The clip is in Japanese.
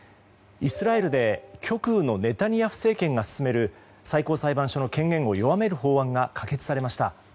イスラエルで極右のネタニヤフ政権が進める最高裁判所の権限を弱める法案が可決されました。